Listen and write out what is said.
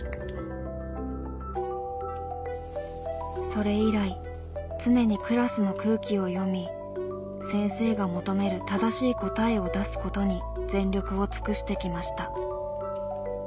それ以来常にクラスの空気を読み先生が求める「正しい答え」を出すことに全力を尽くしてきました。